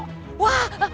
huh huh huh